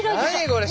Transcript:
これ！